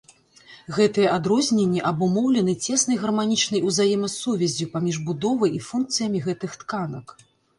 Гэтыя адрозненні абумоўлены цеснай гарманічнай узаемасувяззю паміж будовай і функцыямі гэтых тканак.